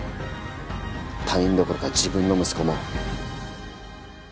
他人どころか自分の息子も。